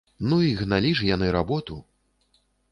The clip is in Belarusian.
Ну і гналі ж яны работу!